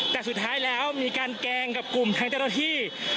แต่สุดท้ายแล้วมีการแกล้งกับกลุ่มทางเจ้าหน้าที่